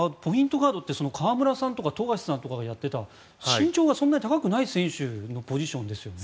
ガードって河村さんとか富樫さんがやっていた身長がそんなに高くない選手のポジションですよね。